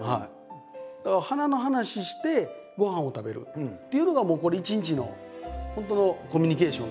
だから花の話してごはんを食べるっていうのがこれ一日の本当のコミュニケーションっていうか。